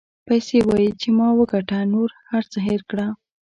پیسې وایي چې ما وګټه نور هر څه هېر کړه.